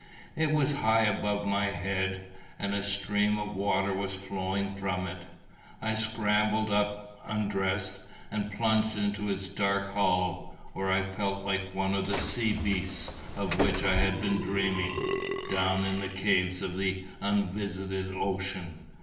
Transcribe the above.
It was high above my head, and a stream of water was flowing from it. I scrambled up, undressed, and plunged into its dark hollow, where I felt like one of the sea beasts of which I had been dreaming, down in the caves of the unvisited ocean.